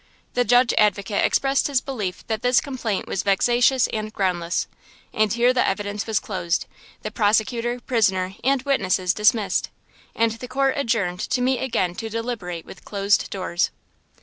The Judge Advocate expressed his belief that this complaint was vexatious and groundless. And here the evidence was closed, the prosecutor, prisoner and witnesses dismissed, and the court adjourned to meet again to deliberate with closed doors.